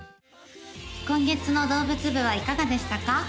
今月の動物部はいかがでしたか？